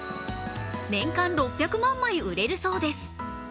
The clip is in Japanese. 年間６００万枚売れるそうです。